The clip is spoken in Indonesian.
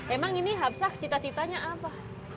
emang ini habsah cita citanya apa